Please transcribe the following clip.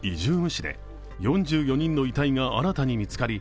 市で４４人の遺体が新たに見つかり